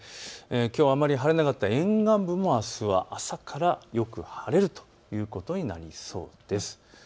きょうはあまり晴れなかった沿岸部もあすは朝からよく晴れるということになりそうです。